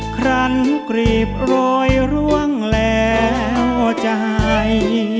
ครันกรีบโรยร่วงแล้วใจ